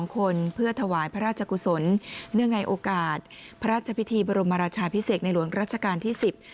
คนเพื่อถวายพระราชกุศลเนื่องในโอกาสพระราชพิธีบรมราชาพิเศษในหลวงรัชกาลที่๑๐